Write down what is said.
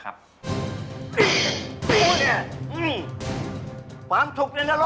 จัดเต็มให้เลย